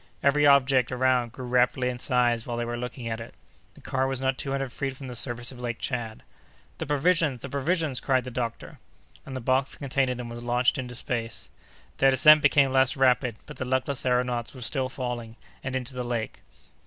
Every object around grew rapidly in size while they were looking at it. The car was not two hundred feet from the surface of Lake Tchad. "The provisions! the provisions!" cried the doctor. And the box containing them was launched into space. Their descent became less rapid, but the luckless aëronauts were still falling, and into the lake.